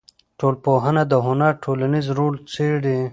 ټولنپوهنه د هنر ټولنیز رول څېړي.